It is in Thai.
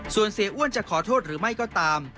ส่วนเสียอ้วนจะขอโทษหรือไม่ก็ตาม